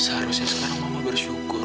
seharusnya sekarang mama bersyukur